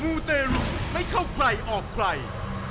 ูเตรุไม่เข้าใครออกใคร